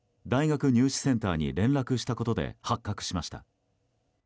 大学入試センターに連絡したことで発覚しました。